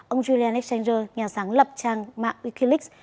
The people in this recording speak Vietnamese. ông julian exchanger nhà sáng lập trang mạng wikileaks